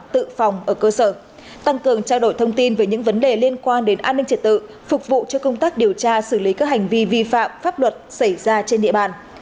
tăng cường trao đổi thông tin về những vấn đề liên quan đến an ninh trật tự phục vụ cho công tác điều tra xử lý các hành vi vi phạm pháp luật xảy ra trên địa bàn